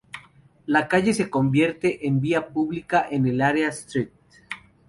La calle se convierte en vía pública en el área St.